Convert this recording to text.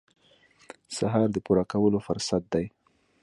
سهار د پوره کولو فرصت دی.